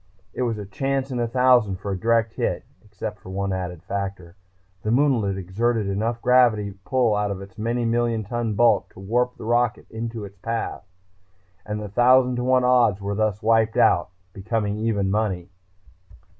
It was a chance in a thousand for a direct hit, except for one added factor the moonlet exerted enough gravity pull out of its many million ton bulk to warp the rocket into its path. And the thousand to one odds were thus wiped out, becoming even money.